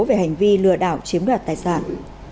về hành vi lừa đảo chiếm đoạt tài sản